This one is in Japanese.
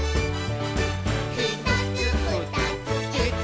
「ひとつふたつえっと」